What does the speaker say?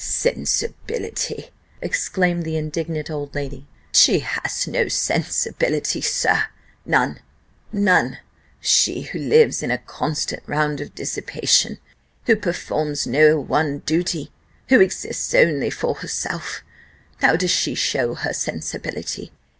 "Sensibility!" exclaimed the indignant old lady, "she has no sensibility, sir none none. She who lives in a constant round of dissipation, who performs no one duty, who exists only for herself; how does she show her sensibility?